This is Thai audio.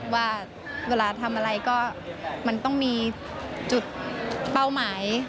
ว่าเวลาทำอะไรก็มันต้องมีจุดเป้าหมาย